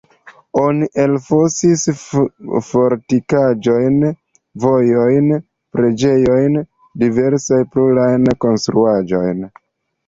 Oni elfosis fortikaĵon, vojojn, preĝejojn, diversajn pluajn konstruaĵojn.